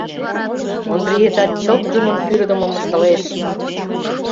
Ондриетат чылт юмын пӱрдымым ыштылеш...